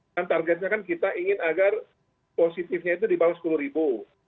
kan targetnya kan kita ingin agar positifnya itu di bawah sepuluh ribu